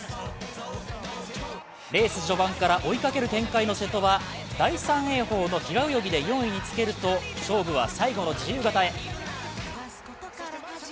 レース序盤から追いかける展開の瀬戸は、第３泳法の平泳ぎで４位につけると勝負は最後の自由形へ。